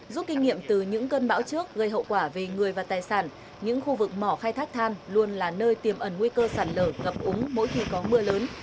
giúp kinh nghiệm từ những cơn bão trước gây hậu quả về người và tài sản những khu vực mỏ khai thác than luôn là nơi tiềm ẩn nguy cơ sạt lở ngập úng mỗi khi có mưa lớn